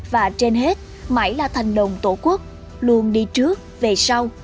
và trên hết mãi là thành đồng tổ quốc luôn đi trước về sau